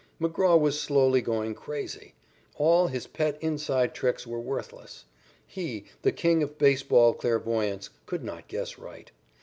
McGraw was slowly going crazy. All his pet "inside" tricks were worthless. He, the king of baseball clairvoyants, could not guess right.